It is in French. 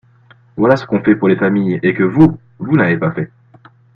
Voilà ce qu’on fait pour les familles et que vous, vous n’avez pas fait.